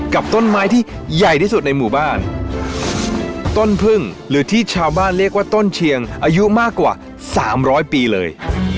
กับต้นไม้ที่ใหญ่ที่สุดในหมู่บ้านต้นพึ่งหรือที่ชาวบ้านเรียกว่าต้นเชียงอายุมากกว่าสามร้อยปีเลย